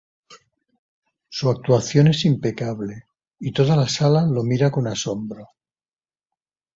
Su actuación es impecable, y toda la sala lo mira con asombro.